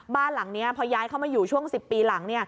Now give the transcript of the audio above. บ้านหลังนี้พอย้ายเข้ามาอยู่ช่วง๑๐ปีหลัง